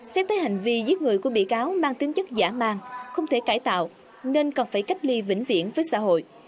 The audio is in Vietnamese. xét tới hành vi giết người của bị cáo mang tính chất giả màng không thể cải tạo nên còn phải cách ly vĩnh viễn với xã hội